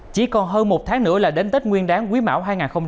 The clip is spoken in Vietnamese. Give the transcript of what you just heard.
chỉ còn hơn một tháng nữa là đến tết nguyên đáng quý mảo hai nghìn hai mươi ba